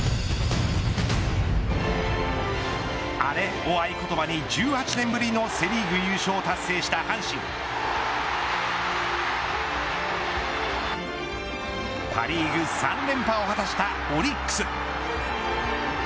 アレを合言葉に、１８年ぶりのセ・リーグ優勝を達成した阪神パ・リーグ３連覇を果たしたオリックス。